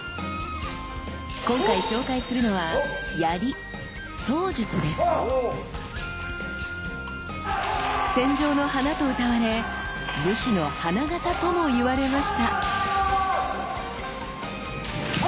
今回紹介するのは槍戦場の華とうたわれ武士の花形とも言われました！